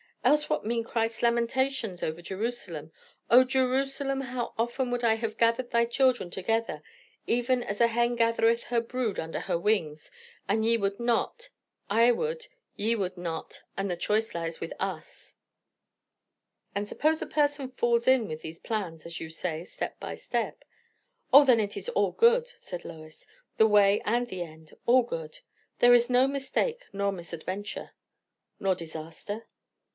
Else what mean Christ's lamentations over Jerusalem? 'O Jerusalem,... how often would I have gathered thy children together, even as a hen gathereth her brood under her wings, and ye would not.' I would ye would not; and the choice lies with us." "And suppose a person falls in with these plans, as you say, step by step?" "O, then it is all good," said Lois; "the way and the end; all good. There is no mistake nor misadventure." "Nor disaster?"